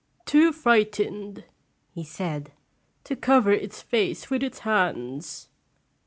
" Too fright ened," he said, "to cover its face with its hands."